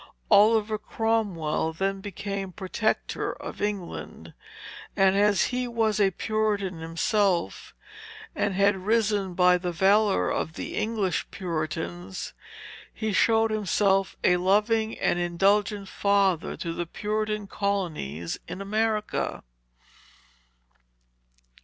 Oliver Cromwell then became Protector of England; and as he was a Puritan himself, and had risen by the valor of the English Puritans, he showed himself a loving and indulgent father to the Puritan colonies in America."